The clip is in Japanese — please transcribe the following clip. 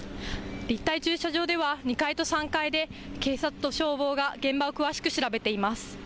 立体駐車場では２階と３階で警察と消防が現場を詳しく調べています。